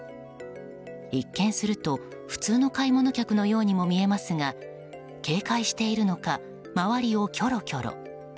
一見すると、普通の買い物客のようにも見えますが警戒しているのか周りをきょろきょろ。